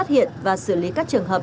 trên địa bàn tỉnh